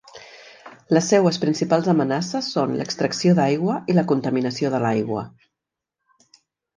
Les seues principals amenaces són l'extracció d'aigua i la contaminació de l'aigua.